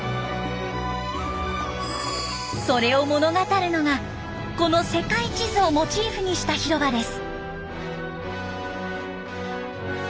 それを物語るのがこの世界地図をモチーフにした広場です。